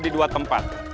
di dua tempat